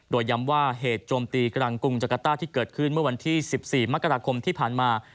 โดยย้ำว่าเหตุโจมตีกลางกรุงจักรต้าที่เกิดขึ้นเมื่อวันที่๑๔มกราคมที่ผ่านมา